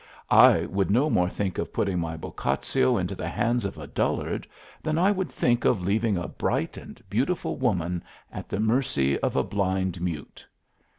I would no more think of putting my Boccaccio into the hands of a dullard than I would think of leaving a bright and beautiful woman at the mercy of a blind mute.